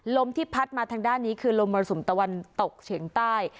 ลมที่พัดมาทางด้านนี้คือลมมรสุมตะวันตกเฉียงใต้